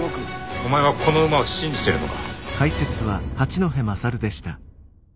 お前はこの馬を信じてるのか？